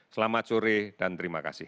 selamat sore dan terima kasih